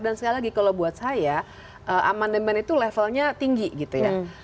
dan sekali lagi kalau buat saya amandemen itu levelnya tinggi gitu ya